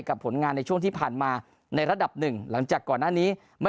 ผลงานในช่วงที่ผ่านมาในระดับหนึ่งหลังจากก่อนหน้านี้ไม่